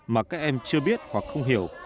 mà các em chưa biết hoặc không hiểu